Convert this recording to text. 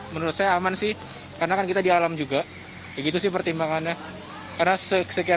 menurut saya aman sih karena kan kita di alam juga begitu sih pertimbangannya karena sekian